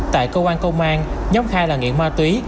tại công an công an nhóm hai là nghiện ma túy